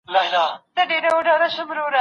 ماتي به پنجرې کړم د صیاد وخت به ګواه وي زما